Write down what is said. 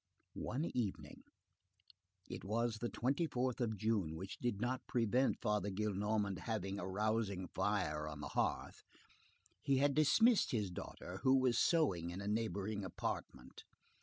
One evening,—it was the 24th of June, which did not prevent Father Gillenormand having a rousing fire on the hearth,—he had dismissed his daughter, who was sewing in a neighboring apartment.